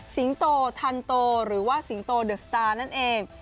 โตทันโตหรือว่าสิงโตเดอะสตาร์นั่นเอง